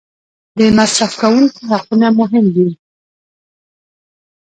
د مصرف کوونکي حقونه مهم دي.